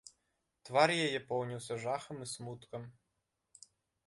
Твар яе поўніўся жахам і смуткам.